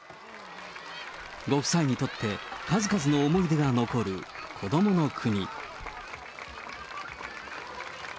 ご夫妻にとって、数々の思い出が残るこどもの国。